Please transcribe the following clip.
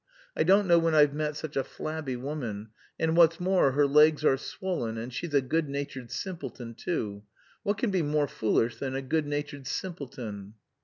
I don't know when I've met such a flabby woman, and what's more her legs are swollen, and she's a good natured simpleton, too. What can be more foolish than a good natured simpleton?"